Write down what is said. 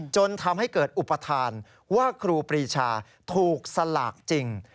จนทำให้เกิดอุปทานว่าครูปรีชาถูกสลากจริง